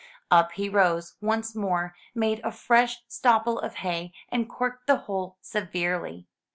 Up he rose once more, made a fresh stopple of hay, and corked the hole severely.